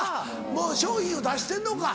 もう商品を出してんのか。